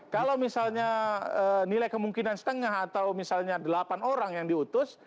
kalau misalnya nilai kemungkinan setengah atau misalnya delapan orang yang diutus